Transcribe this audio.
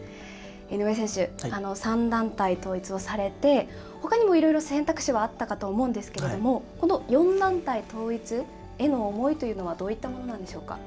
井上選手、３団体統一をされて、ほかにもいろいろ選択肢はあったかと思うんですけれども、この４団体統一への思いというのはどういったものなんでしょうか。